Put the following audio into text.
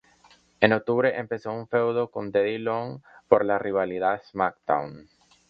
En octubre empezó un feudo con Teddy Long por la rivalidad SmackDown!